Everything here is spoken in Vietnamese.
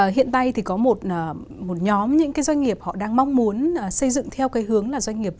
hiện nay thì có một nhóm những cái doanh nghiệp họ đang mong muốn xây dựng theo cái hướng là doanh nghiệp